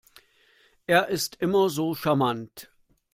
Er ist immer so charmant.